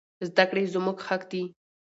زدکړي زموږ حق دي